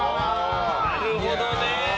なるほどね！